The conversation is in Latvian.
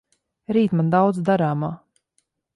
Rīt man daudz darāmā.